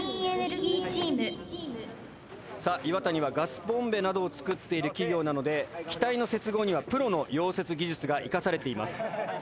さあ「Ｉｗａｔａｎｉ」はガスボンベなどを作っている企業なので機体の接合にはプロの溶接技術が生かされています。